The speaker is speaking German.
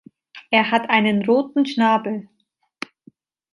Er hat einen roten Schnabel.